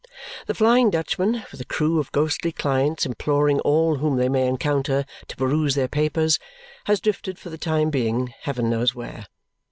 The Flying Dutchman, with a crew of ghostly clients imploring all whom they may encounter to peruse their papers, has drifted, for the time being, heaven knows where.